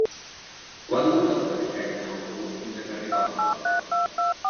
Quant dura el trajecte en autobús fins a Garrigoles?